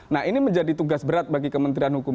nah ini menjadi tugas berat bagi kementerian hukum